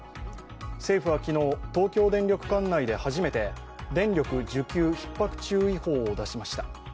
政府は昨日、東京電力管内で初めて電力需給ひっ迫注意報を出しました。